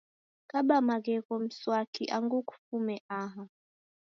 Kaba maghegho mswaki angu kufume aha